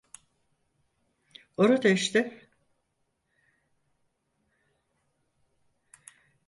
Orada işte!